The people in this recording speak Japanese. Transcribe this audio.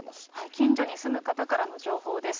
近所に住む方からの情報です。